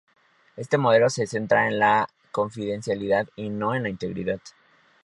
Este modelo se centra en la confidencialidad y no en la integridad.